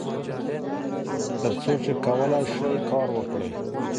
تر څو چې کولای شئ کار وکړئ.